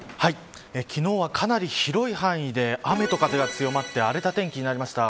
昨日は、かなり広い範囲で雨と風が強まって荒れた天気になりました。